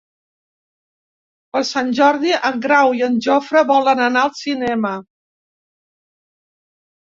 Per Sant Jordi en Grau i en Jofre volen anar al cinema.